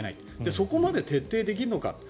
そこまで徹底できるか。